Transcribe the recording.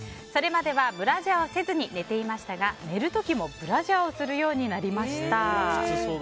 それまではブラジャーをせずに寝ていましたが寝る時もブラジャーをするようになりました。